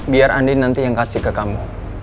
biar andi nanti yang kasih ke kamu